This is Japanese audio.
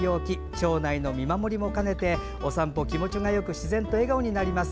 町内の見守りも兼ねてお散歩は気持ちがよく自然と笑顔になります。